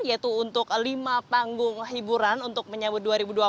yaitu untuk lima panggung hiburan untuk menyambut dua ribu dua puluh empat